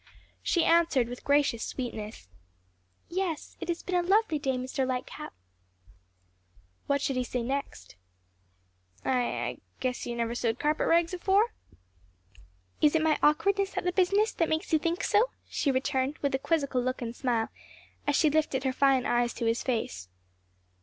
She answered with gracious sweetness, "Yes it has been a lovely day, Mr. Lightcap." What should he say next. "I I guess you never sewed carpet rags afore?" "Is it my awkwardness at the business that makes you think so?" she returned, with a quizzical look and smile, as she lifted her fine eyes to his face.